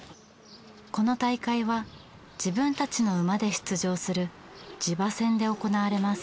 この大会は自分たちの馬で出場する自馬戦で行われます。